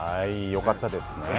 よかったですね。